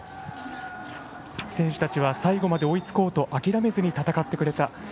選手たちは最後まで追いつこうと諦めずに戦ってくれた。